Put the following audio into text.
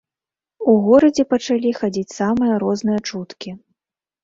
У горадзе пачалі хадзіць самыя розныя чуткі.